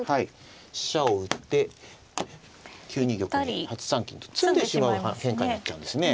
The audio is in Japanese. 飛車を打って９二玉で８三金と詰んでしまう変化になっちゃうんですね。